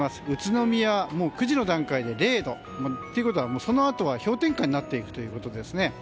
宇都宮、９時の段階で０度。ということは、そのあとは氷点下になるということですね。